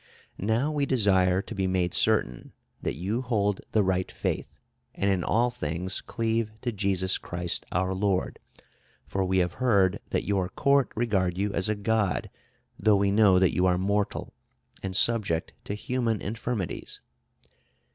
"Now we desire to be made certain that you hold the right faith, and in all things cleave to Jesus Christ, our Lord, for we have heard that your court regard you as a god, though we know that you are mortal, and subject to human infirmities....